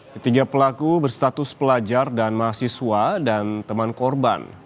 ketiga pelaku berstatus pelajar dan mahasiswa dan teman korban